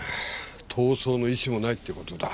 逃走の意思もないって事だ。